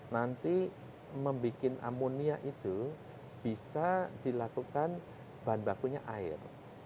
nanti membuat amonia itu bisa dilakukan bahan bakunya air